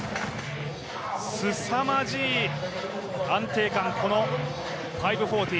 すさまじい安定感、この５４０。